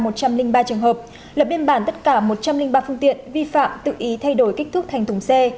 một trăm linh ba trường hợp lập biên bản tất cả một trăm linh ba phương tiện vi phạm tự ý thay đổi kích thước thành thùng xe